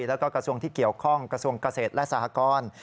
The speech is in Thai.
แล้วก็กระทรวงที่เกี่ยวข้องกระทรวงเกษตรและสหกร